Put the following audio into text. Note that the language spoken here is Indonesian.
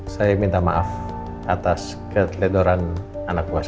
saya minta maaf atas keteledoran anak buah saya